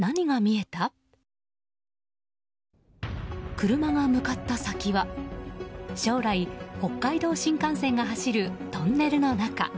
車が向かった先は将来、北海道新幹線が走るトンネルの中。